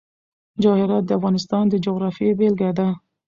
جواهرات د افغانستان د جغرافیې بېلګه ده.